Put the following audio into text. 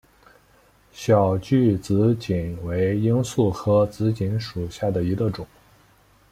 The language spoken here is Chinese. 小距紫堇为罂粟科紫堇属下的一个种。